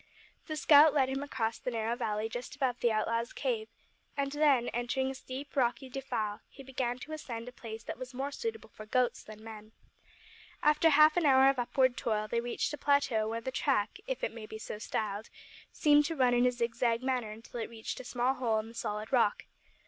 The scout led him across the narrow valley just above the outlaws' cave, and then, entering a steep rocky defile, he began to ascend a place that was more suitable for goats than men. After half an hour of upward toil they reached a plateau where the track if it may be so styled seemed to run in a zig zag manner until it reached a small hole in the solid rock.